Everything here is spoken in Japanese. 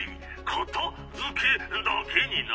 かたづけだけにな！